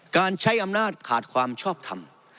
การใช้อำนาจขาดความชอบทำ